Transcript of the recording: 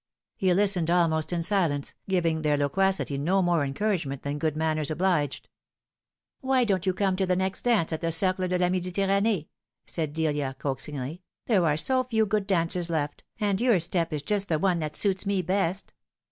He listened almost in silence, giving their loquacity no more encou ragement than good manners obliged. " Why don't, you come to the next dance at the Cercle de la Me"diterrane"e ?" said Delia coaxingly ;" there are so few good dancers left, and your step is just the one that suits me best.